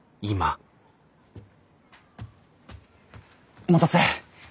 お待たせ。